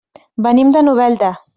Venim de Novelda.